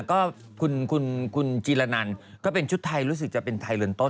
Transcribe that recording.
คุณจีลานัลก็เป็นชุดไทยรู้สึกจะเป็นไทน์เริลต้น